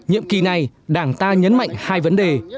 nhiệm kỳ này đảng ta nhấn mạnh hai vấn đề